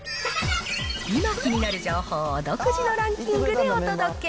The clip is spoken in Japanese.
今気になる情報を独自のランキングでお届け。